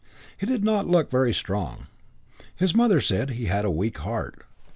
He did not look very strong. His mother said he had a weak heart.